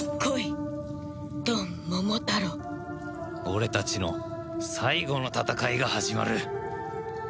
俺たちの最後の戦いが始まる